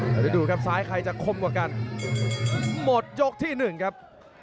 เดี๋ยวดูครับซ้ายใครจะคมกว่ากันหมดยกที่หนึ่งครับ